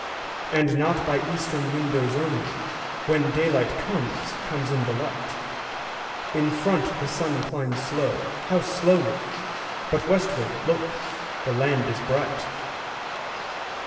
And not by eastern windows only, When daylight comes, comes in the light; In front the sun climbs slow, how slowly! But westward, look, the land is bright!